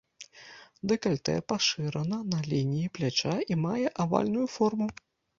Дэкальтэ пашырана па лініі пляча і мае авальную форму.